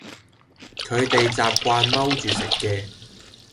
佢哋習慣踎住食嘅